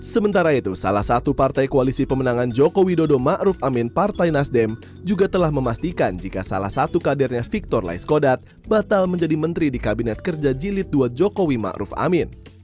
sementara itu salah satu partai koalisi pemenangan jokowi dodo ma'ruf amin partai nasdem juga telah memastikan jika salah satu kadernya victor laiskodat batal menjadi menteri di kabinet kerja jilid ii jokowi ma'ruf amin